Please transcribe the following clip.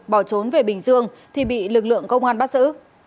bỏ trốn về bình dương thì bị lực lượng công an bắt giữ